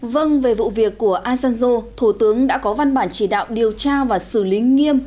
vâng về vụ việc của asanjo thủ tướng đã có văn bản chỉ đạo điều tra và xử lý nghiêm